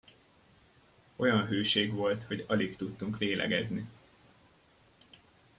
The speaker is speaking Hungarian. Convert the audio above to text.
Olyan hőség volt; hogy alig tudtunk lélegezni.